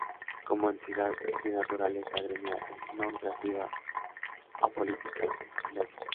Como entidad es de naturaleza gremial, no lucrativa, apolítica y laica.